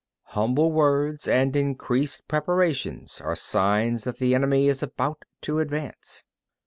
24. Humble words and increased preparations are signs that the enemy is about to advance.